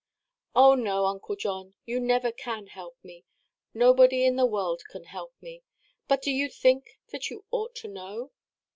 "Oh no, Uncle John, you never can help me. Nobody in the world can help me. But do you think that you ought to know?"